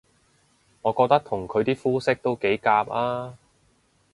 我覺得同佢啲膚色都幾夾吖